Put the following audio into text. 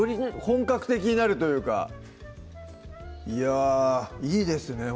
本格的になるというかいやぁいいですね